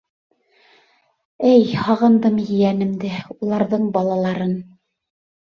Эй, һағындым ейәнемде, уларҙың балаларын.